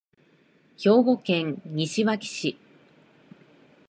兵庫県西脇市